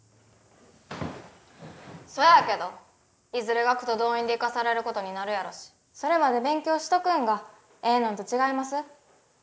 そやけどいずれ学徒動員で行かされることになるやろしそれまで勉強しとくんがええのんと違います？